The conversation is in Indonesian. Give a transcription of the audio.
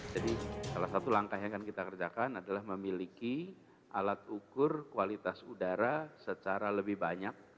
jadi salah satu langkah yang akan kita kerjakan adalah memiliki alat ukur kualitas udara secara lebih banyak